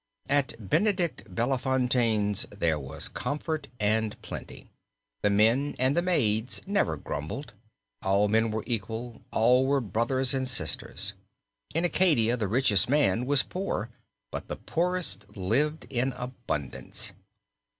At Benedict Bellefontaine's there was comfort and plenty. The men and the maids never grumbled. All men were equal, all were brothers and sisters. In Acadia the richest man was poor, but the poorest lived in abundance.